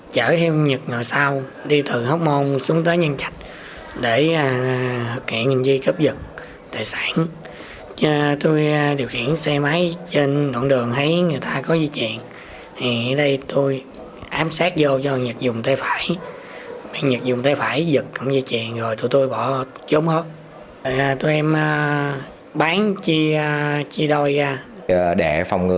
qua đấu tranh các đối tượng đã khai nhận cùng nhau thực hiện một mươi một vụ cướp giật tài sản trên địa bàn các huyện nhân trạch và long thành